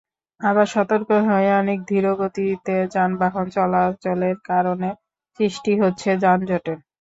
আবার সতর্ক হয়ে অনেক ধীর গতিতে যানবাহন চলাচলের কারণে সৃষ্টি হচ্ছে যানজটের।